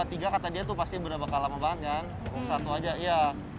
yang dua tiga kata dia itu pasti berapa lama banget kan satu aja